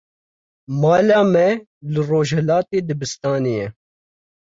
Mala me li rojhilatê dibistanê ye.